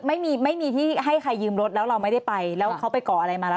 ไม่มีไม่มีที่ให้ใครยืมรถแล้วเราไม่ได้ไปแล้วเขาไปก่ออะไรมาแล้ว